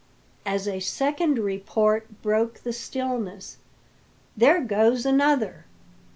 as a second report broke the stillness, "there goes another!